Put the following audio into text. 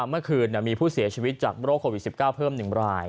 เมื่อคืนมีผู้เสียชีวิตจากโรคโควิด๑๙เพิ่ม๑ราย